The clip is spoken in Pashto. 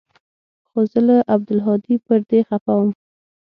خو زه له عبدالهادي پر دې خپه وم.